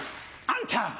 あんた！